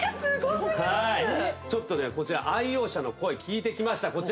ちょっとこちら愛用者の声聞いてきました。